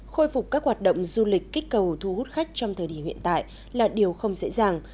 khôi phục các hoạt động du lịch kích cầu thu hút khách trong thời điểm hiện tại là điều không dễ dàng